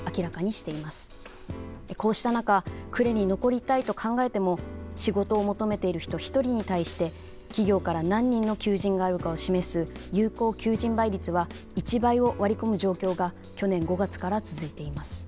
こうした中呉に残りたいと考えても仕事を求めている人１人に対して企業から何人の求人があるかを示す有効求人倍率は１倍を割り込む状況が去年５月から続いています。